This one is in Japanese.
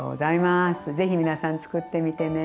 ぜひ皆さんつくってみてね。